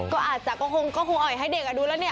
ก็อาจจ้าก็คงก็คงออยให้เด็กอ่ะดูล่ะนี่